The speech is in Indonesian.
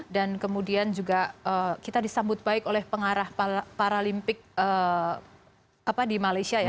dan kemudian juga kita disambut baik oleh pengarah paralimpik di malaysia ya